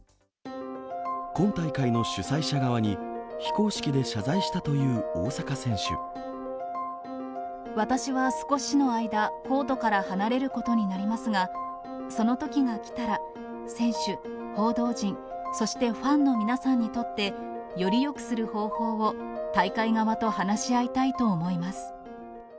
今大会の主催者側に、非公式私は少しの間、コートから離れることになりますが、そのときが来たら、選手、報道陣、そしてファンの皆さんにとって、よりよくする方法を大会側と話し合いたいと思います。